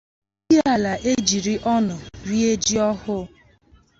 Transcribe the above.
Ndị Ihiala Ejiri Ọñụ Rie Ji Ọhụụ